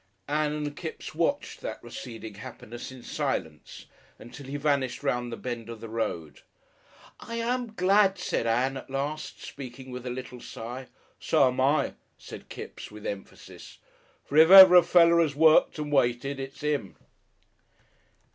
Ann and Kipps watched that receding happiness in silence, until he vanished round the bend of the road. "I am glad," said Ann at last, speaking with a little sigh. "So'm I," said Kipps, with emphasis. "For if ever a feller 'as worked and waited it's 'im."...